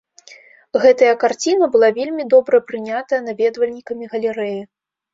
Гэтая карціна была вельмі добра прынята наведвальнікамі галерэі.